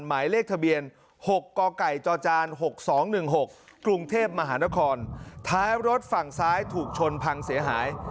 หมายเลขทะเบียนหกก่อก่อยจอจานหกสองหนึ่งหกกรุงเทพมหานครท้ายรถฝั่งซ้ายถูกชนพังเสียหาย